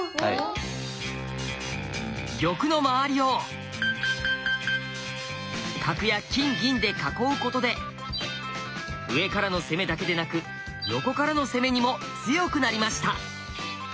玉の周りを角や金銀で囲うことで上からの攻めだけでなく横からの攻めにも強くなりました。